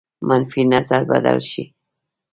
منفي نظر بدل شي.